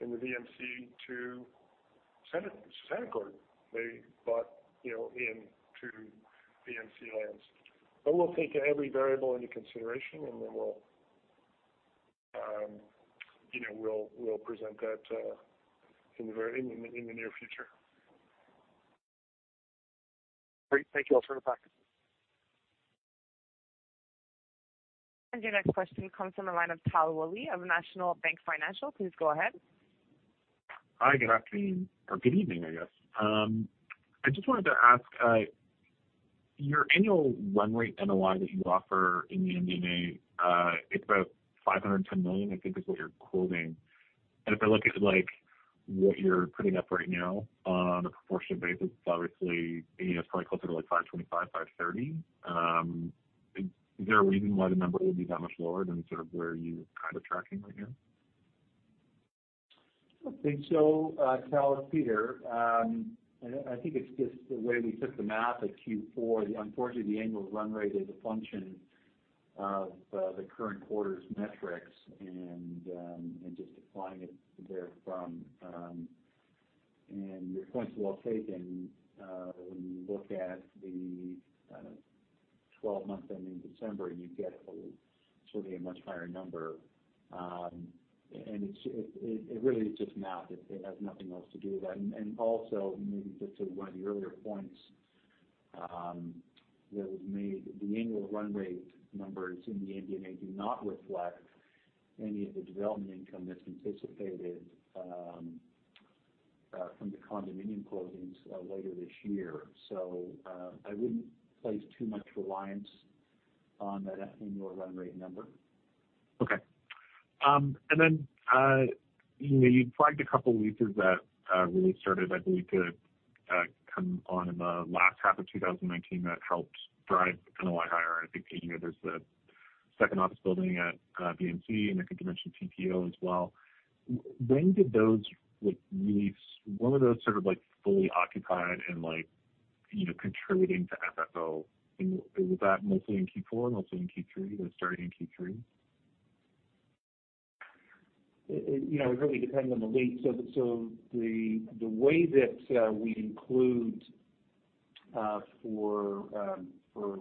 in the VMC to CentreCourt. They bought into VMC lands. We'll take every variable into consideration and then we'll present that in the near future. Great. Thank you. I'll turn it back. Your next question comes from the line of Tal Woolley of National Bank Financial. Please go ahead. Hi, good afternoon or good evening, I guess. I just wanted to ask, your annual run rate NOI that you offer in the MD&A, it's about 510 million, I think is what you're quoting. If I look at what you're putting up right now on a proportionate basis, it's obviously probably closer to 525 million, 530 million. Is there a reason why the number would be that much lower than sort of where you're kind of tracking right now? I don't think so, Tal. It's Peter. I think it's just the way we took the math at Q4. Unfortunately, the annual run rate is a function of the current quarter's metrics and just applying it therefrom. Your point's well taken. When you look at the 12 months ending December, you get certainly a much higher number. It really is just math. It has nothing else to do with that. Also, maybe just to one of the earlier points that was made, the annual run rate numbers in the MD&A do not reflect any of the development income that's anticipated from the condominium closings later this year. I wouldn't place too much reliance on that annual run rate number. Okay. You flagged a couple of leases that really started, that come on in the last half of 2019 that helped drive NOI higher. I think, Peter, there's the second office building at VMC, and I think you mentioned TPO as well. When were those fully occupied and contributing to FFO? Was that mostly in Q4, mostly in Q3? Was it starting in Q3? It really depends on the lease. The way that we include for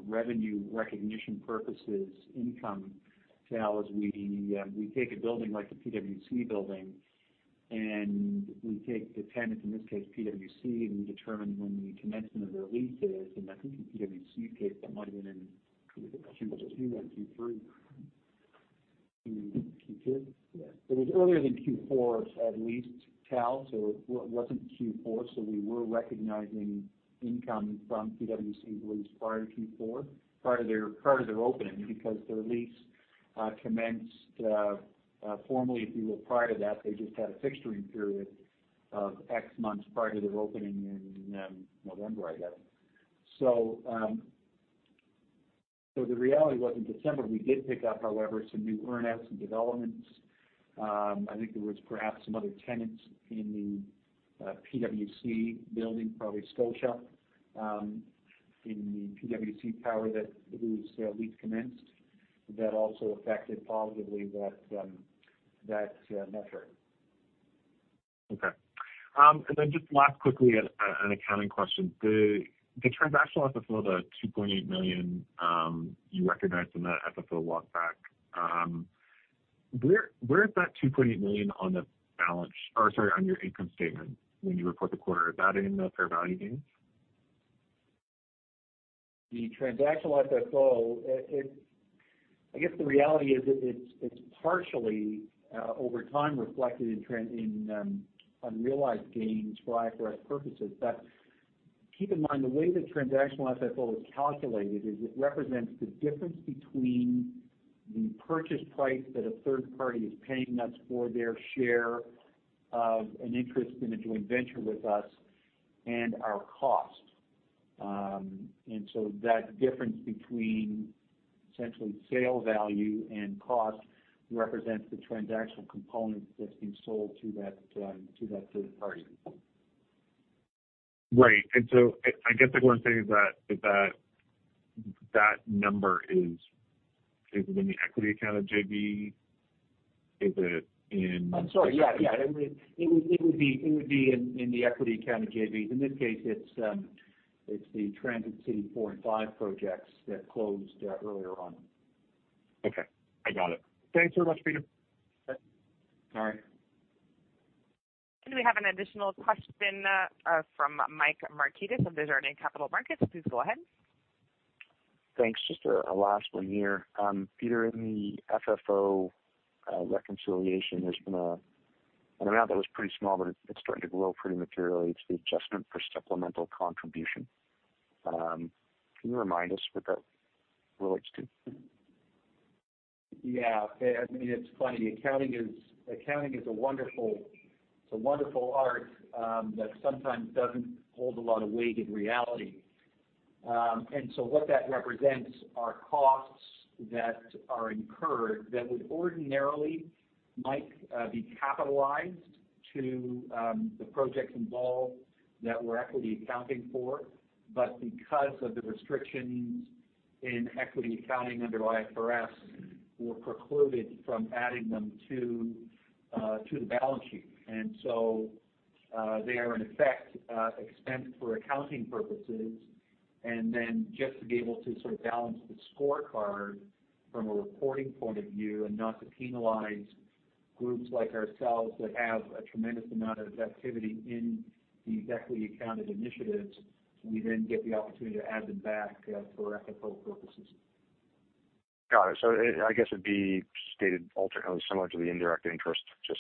revenue recognition purposes income, Tal, is we take a building like the PwC building, and we take the tenant, in this case, PwC, and we determine when the commencement of their lease is. I think in PwC's case, that might have been in Q2 or Q3. Q2? It was earlier than Q4, at least, Tal. It wasn't Q4, so we were recognizing income from PwC as early as prior to Q4, prior to their opening, because their lease commenced formally, if you will. Prior to that, they just had a fixturing period of x months prior to their opening in November, I guess. The reality was in December, we did pick up, however, some new earn-outs and developments. I think there was perhaps some other tenants in the PwC building, probably Scotiabank, in the PwC Tower whose lease commenced. That also affected positively that measure. Okay. Just last, quickly, an accounting question. The transactional FFO, the 2.8 million you recognized in that FFO walk back, where is that 2.8 million on your income statement when you report the quarter? Is that in the fair value gains? The transactional FFO, I guess the reality is it's partially, over time, reflected in unrealized gains for IFRS purposes. Keep in mind, the way the transactional FFO is calculated is it represents the difference between the purchase price that a third party is paying us for their share of an interest in a joint venture with us, and our cost. That difference between essentially sale value and cost represents the transactional component that's being sold to that third party. Right. I guess what I'm saying is that number, is it in the equity account of JV? Is it in- I'm sorry. Yeah. It would be in the equity account of JV. In this case, it's the Transit City 4 and 5 projects that closed earlier on. Okay, I got it. Thanks so much, Peter. Okay. All right. We have an additional question from Mike Markidis of Desjardins Capital Markets. Please go ahead. Thanks. Just a last one here. Peter, in the FFO reconciliation, there's been an amount that was pretty small, but it's starting to grow pretty materially. It's the adjustment for supplemental contribution. Can you remind us what that relates to? Yeah. I mean, it's funny. Accounting is a wonderful art that sometimes doesn't hold a lot of weight in reality. What that represents are costs that are incurred that would ordinarily might be capitalized to the projects involved that we're equity accounting for. Because of the restrictions in equity accounting under IFRS, we're precluded from adding them to the balance sheet. They are, in effect, expensed for accounting purposes. Just to be able to sort of balance the scorecard from a reporting point of view and not to penalize groups like ourselves that have a tremendous amount of activity in these equity accounted initiatives, we then get the opportunity to add them back for FFO purposes. Got it. I guess it'd be stated alternately similar to the indirect interest, just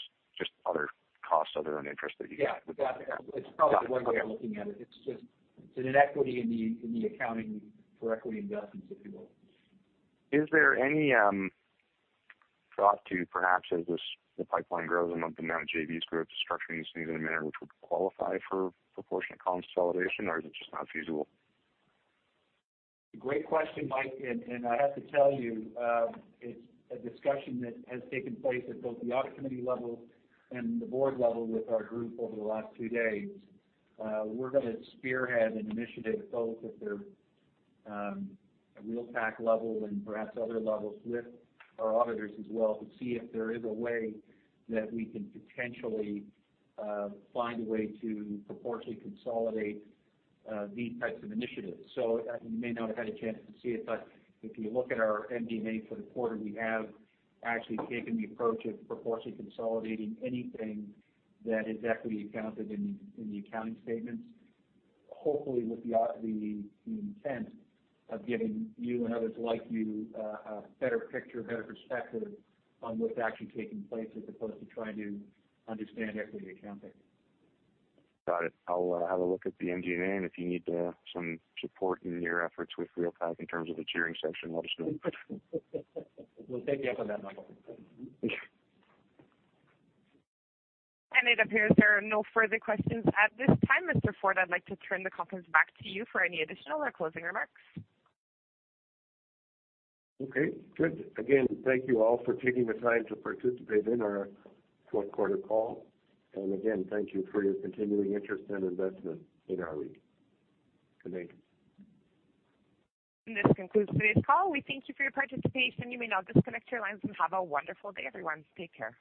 other costs other than interest. Yeah. Got it. It's probably one way of looking at it. It's an inequity in the accounting for equity investments, if you will. Is there any thought to perhaps as the pipeline grows and the amount of JVs grows, structuring these things in a manner which would qualify for proportionate consolidation? Or is it just not feasible? Great question, Mike. I have to tell you, it's a discussion that has taken place at both the audit committee level and the board level with our group over the last two days. We're going to spearhead an initiative both at the REALPAC level and perhaps other levels with our auditors as well, to see if there is a way that we can potentially find a way to proportionately consolidate these types of initiatives. You may not have had a chance to see it, but if you look at our MD&A for the quarter, we have actually taken the approach of proportionately consolidating anything that is equity accounted in the accounting statements. Hopefully with the intent of giving you and others like you a better picture, a better perspective on what's actually taking place, as opposed to trying to understand equity accounting. Got it. I'll have a look at the MD&A, and if you need some support in your efforts with REALPAC in terms of a cheering section, let us know. We'll take you up on that, Michael. Yeah. It appears there are no further questions at this time. Mr. Forde, I'd like to turn the conference back to you for any additional or closing remarks. Okay, good. Again, thank you all for taking the time to participate in our fourth quarter call. Again, thank you for your continuing interest and investment in REIT. Good night. This concludes today's call. We thank you for your participation. You may now disconnect your lines and have a wonderful day, everyone. Take care.